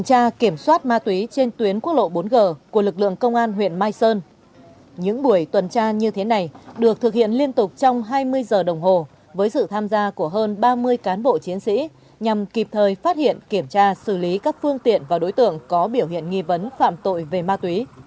khi kiểm soát ma túy trên tuyến quốc lộ bốn g của lực lượng công an huyện mai sơn những buổi tuần tra như thế này được thực hiện liên tục trong hai mươi giờ đồng hồ với sự tham gia của hơn ba mươi cán bộ chiến sĩ nhằm kịp thời phát hiện kiểm tra xử lý các phương tiện và đối tượng có biểu hiện nghi vấn phạm tội về ma túy